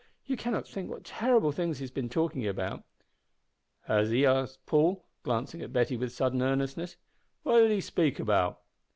you cannot think what terrible things he has been talking about." "Has he?" said Paul, glancing at Betty with sudden earnestness. "What did he speak about?"